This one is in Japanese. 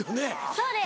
そうです。